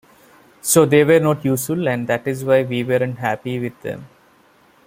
So they were not useful and that is why we were unhappy with them.